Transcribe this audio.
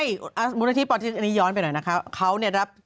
มจุดนี้ย้อนไปหน่อย